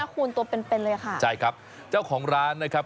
สดด้วยนะคุณตัวเป็นเลยค่ะใช่ครับเจ้าของร้านนะครับ